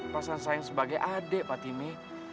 perasaan sayang sebagai adik fatime